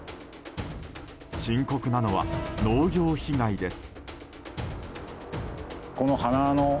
深刻なのは農業被害です。